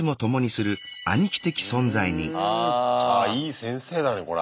あいい先生だねこら。